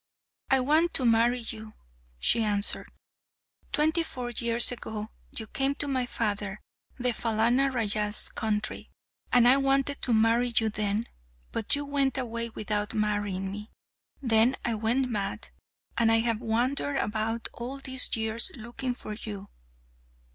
"I want to marry you," she answered. "Twenty four years ago you came to my father the Phalana Raja's country, and I wanted to marry you then; but you went away without marrying me. Then I went mad, and I have wandered about all these years looking for you."